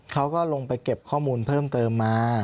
เขาก็ลงไปเก็บข้อมูลเพิ่มเติมมา